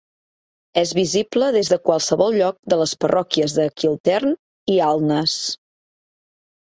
És visible des de qualsevol lloc de les parròquies de Kiltearn i Alness.